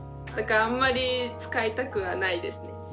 だからあんまり使いたくはないですね。